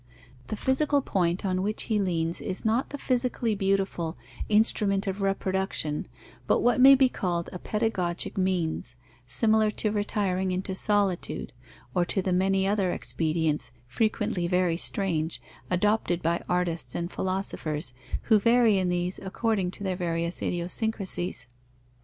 The physical point on which he leans is not the physically beautiful, instrument of reproduction, but what may be called a pedagogic means, similar to retiring into solitude, or to the many other expedients, frequently very strange, adopted by artists and philosophers, who vary in these according to their various idiosyncrasies.